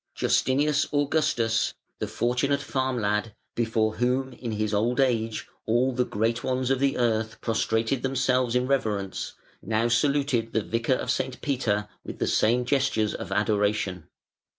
"Justinus Augustus", the fortunate farm lad, before whom in his old age all the great ones of the earth prostrated themselves in reverence, now saluted the Vicar of St. Peter with the same gestures of adoration.